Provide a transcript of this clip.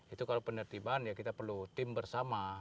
itu kalau penertiban ya kita perlu tim bersama